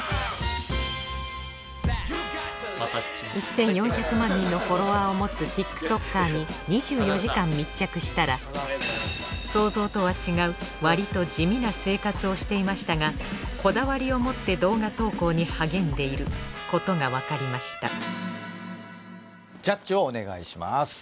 １４００万人のフォロワーを持つ想像とは違う割と地味な生活をしていましたがこだわりを持って動画投稿に励んでいることがわかりましたジャッジをお願いします。